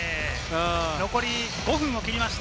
残り５分を切りました。